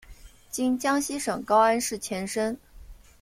今江西省高安市前身。